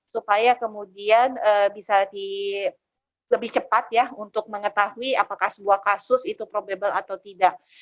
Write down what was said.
supaya kemudian bisa lebih cepat ya untuk mengetahui apakah sebuah kasus itu probable atau tidak